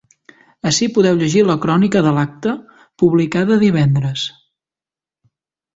Ací podeu llegir la crònica de l’acte publicada divendres.